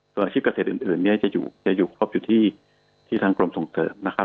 ส่วนอาชีพเกษตรอื่นเนี่ยจะอยู่ครบอยู่ที่ทางกรมส่งเสริมนะครับ